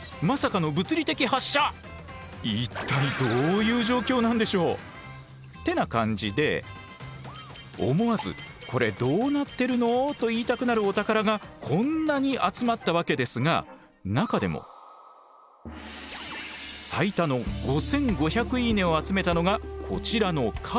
恋の場面だそうなんですが。ってな感じで思わず「コレどうなってるの？」と言いたくなるお宝がこんなに集まったわけですが中でも最多の５，５００「いいね」を集めたのがこちらの兜。